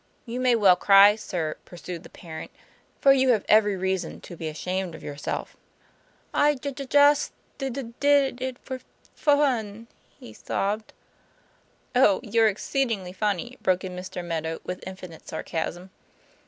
"You may well cry, sir," pursued the parent," for you have every reason to be ashamed of yourself." "I j j just d d did it for f fun," he sobbed. "Oh, you're exceedingly funny!" broke in Mr. Meadow with infinite sarcasm.